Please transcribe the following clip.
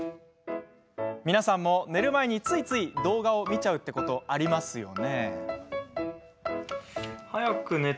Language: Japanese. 皆さんも寝る前についつい動画を見ちゃうってことありますよね？